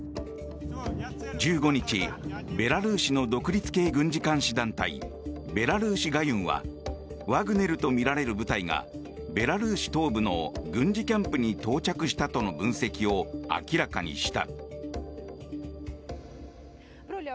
１５日、ベラルーシの独立系軍事監視団体ベラルーシ・ガユンはワグネルとみられる部隊がベラルーシ東部の軍事キャンプに到着したとの分析を明らかにした。